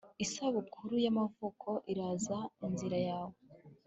isabukuru yamavuko iraza inzira yawe